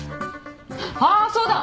あっそうだ。